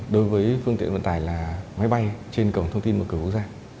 đối với phương tiện vận tải là máy bay trên cổng thông tin một cửa quốc gia